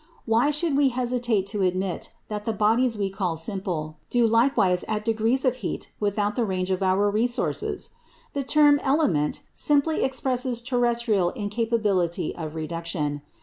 Why should we hesitate to admit that the bodies we call "simple" do likewise at degrees of heat without the range of our resources? The term "element" simply expresses terrestrial incapability of reduction.